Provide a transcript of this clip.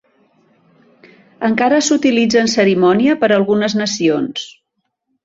Encara s'utilitza en cerimònia per algunes nacions.